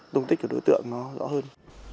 đối tượng nó rõ hơn